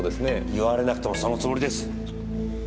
言われなくてもそのつもりです！